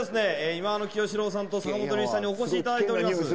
忌野清志郎さんと坂本龍一さんにお越しいただいております。